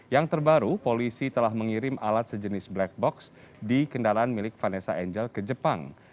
yang terbaru polisi telah mengirim alat sejenis black box di kendaraan milik vanessa angel ke jepang